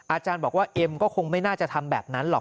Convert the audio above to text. อาจารย์บอกว่าเอ็มก็คงไม่น่าจะทำแบบนั้นหรอก